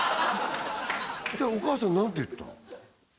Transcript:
そしたらお母さん何て言った？